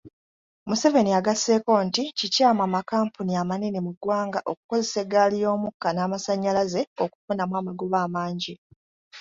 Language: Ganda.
Museveni agasseeko nti kikyamu amakampuni amanene mu ggwanga okukozesa eggaaliyoomukka n'amasannyalaze okufunamu amagoba amangi.